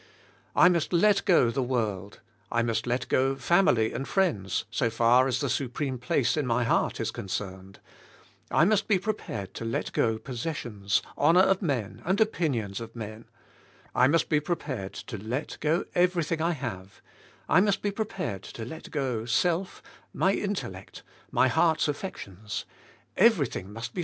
I must let g"0 the world; I must let go family and friends so far as the supreme place in my heart is concerned; I must be prepared to let go possessions, honor of men and opinions of men; I must be prepared to let go every thing I have; I must be prepared to let go self, my intellect, my heart's affections, everything must be 76 th:^ SpiriTuai, lifej.